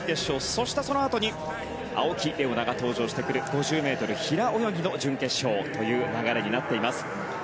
そして、そのあとに青木玲緒樹が登場してくる５０ｍ平泳ぎの準決勝という流れになっています。